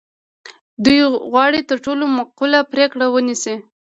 دوی غواړي تر ټولو معقوله پرېکړه ونیسي.